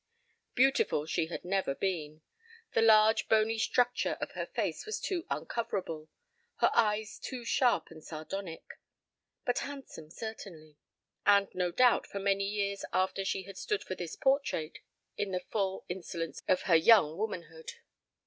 Beautiful she had never been; the large bony structure of her face was too uncoverable, her eyes too sharp and sardonic; but handsome certainly, and, no doubt, for many years after she had stood for this portrait in the full insolence of her young womanhood.